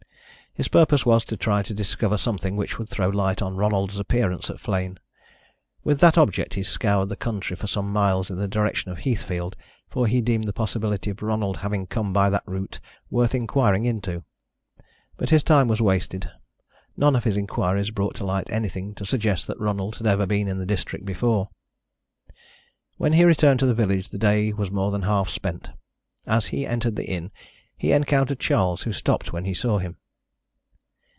His purpose was to try to discover something which would throw light on Ronald's appearance at Flegne. With that object he scoured the country for some miles in the direction of Heathfield, for he deemed the possibility of Ronald having come by that route worth inquiring into. But his time was wasted; none of his inquiries brought to light anything to suggest that Ronald had ever been in the district before. When he returned to the village the day was more than half spent. As he entered the inn, he encountered Charles, who stopped when he saw him.